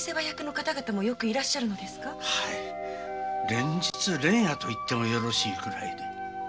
連日連夜といってもよろしいぐらいで。